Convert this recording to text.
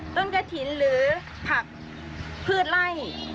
ต้นกะทินหรือผักพืชไล่